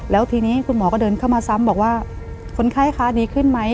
แล้วทีนี้คุณหมอก็เดินเข้ามาซ้ำบอกว่าคนไข้คะดีขึ้นไหม